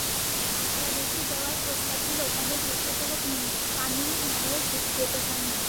ভাড়া বেশি দেওয়ার প্রস্তাব দিলেও অনেক রিকশাচালক পানি মাড়িয়ে যেতে চান না।